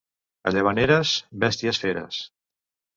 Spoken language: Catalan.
A Llavaneres, bèsties feres.